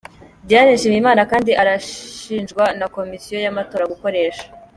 Diane Nshimyimana kandi arashinjwa na Komisiyo y’Amatora gukoresha.